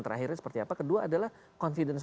terakhirnya seperti apa kedua adalah confidence